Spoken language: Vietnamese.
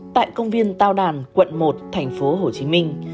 tại công viên tao đàn quận một thành phố hồ chí minh